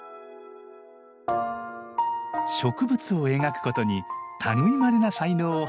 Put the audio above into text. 植物を描くことに類いまれな才能を発揮した牧野博士。